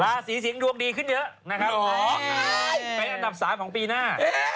ล่าศรีสิงค์ดวกดีขึ้นเยอะเป็นอันดับ๓ของปีหน้า